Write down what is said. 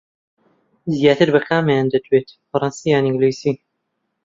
زیاتر بە کامیان دەدوێیت، فەڕەنسی یان ئینگلیزی؟